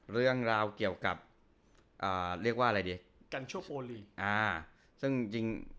เรื่องราวเกี่ยวกับกัญชกโอลี